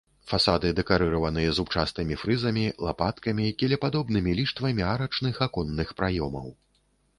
Фасады дэкарыраваны зубчастымі фрызамі, лапаткамі, кілепадобнымі ліштвамі арачных аконных праёмаў.